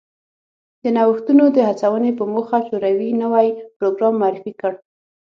د نوښتونو د هڅونې په موخه شوروي نوی پروګرام معرفي کړ